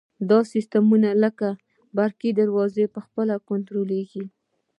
دا سیسټمونه لکه برقي دروازې په خپله کنټرولیږي.